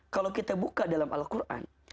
kalau kita buka dalam al quran